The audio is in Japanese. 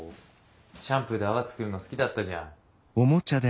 シャンプーで泡作るの好きだったじゃん。